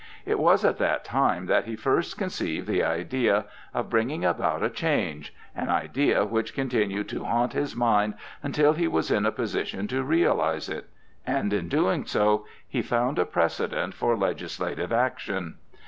It was at that time that he first conceived the idea of bringing about a change—an idea which continued to haunt his mind until he was in a position to realize it. And in doing so he found a precedent for legislative action.